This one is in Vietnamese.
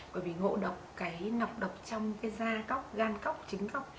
bởi vì ngộ độc cái ngọc độc trong cái da góc gan góc trứng góc